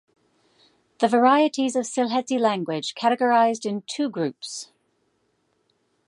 The varieties of Sylheti language categorised in two groups.